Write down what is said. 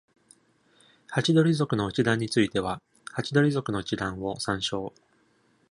ハチドリ属の一覧については「ハチドリ属の一覧」を参照。